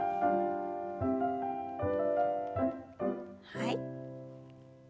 はい。